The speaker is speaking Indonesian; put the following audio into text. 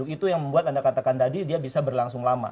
itu yang membuat anda katakan tadi dia bisa berlangsung lama